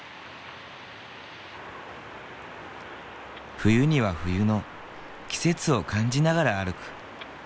冬には冬の季節を感じながら歩く。